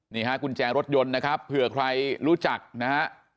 นี่ฮะกุญแจรถยนต์นะครับเผื่อใครรู้จักนะฮะ